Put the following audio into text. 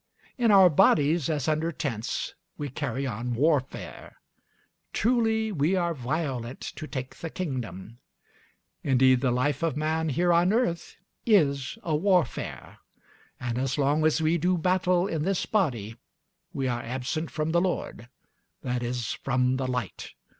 In our bodies, as under tents, we carry on warfare. Truly, we are violent to take the kingdom. Indeed, the life of man here on earth is a warfare; and as long as we do battle in this body, we are absent from the Lord, i.e., from the light.